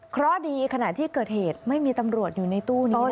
เพราะดีขณะที่เกิดเหตุไม่มีตำรวจอยู่ในตู้นี้